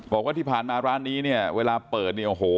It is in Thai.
บอกว่าที่ผ่านมาร้านนี้เนี่ยเวลาเปิดเนี่ยโอ้โห